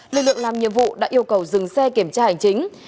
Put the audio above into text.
lực lượng làm nhiệm vụ đã yêu cầu dừng xe kiểm tra hành chính